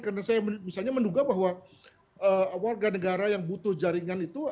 karena saya misalnya menduga bahwa warga negara yang butuh jaringan itu